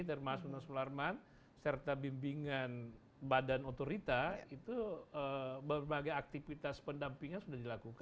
termasuk nu sularman serta bimbingan badan otorita itu berbagai aktivitas pendampingan sudah dilakukan